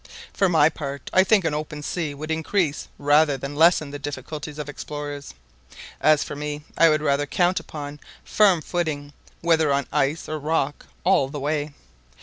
For my part, I think an open sea would increase rather than lessen the difficulties of explorers. As for me, I would rather count upon firm footing, whether on ice or rock, all the way.